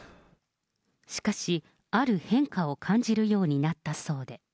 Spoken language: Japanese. しかし、ある変化を感じるようになったそうで。